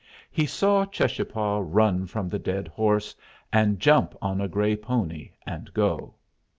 He saw Cheschapah run from the dead horse and jump on a gray pony and go.